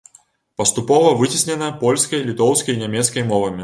Паступова выцеснена польскай, літоўскай і нямецкай мовамі.